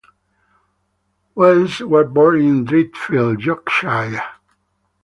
Wells was born in Driffield, Yorkshire.